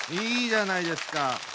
いいじゃないですか。